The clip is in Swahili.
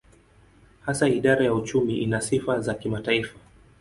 Hasa idara ya uchumi ina sifa za kimataifa.